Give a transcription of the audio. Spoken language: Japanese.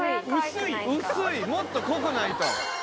もっと濃くないと。